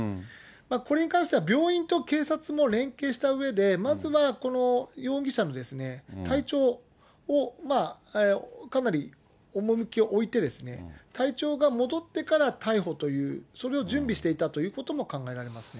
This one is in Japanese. これに関しては病院と警察も連携したうえで、まずはこの容疑者の体調を、かなり重きをおいて体調が戻ってから逮捕という、それを準備していたということも考えられますね。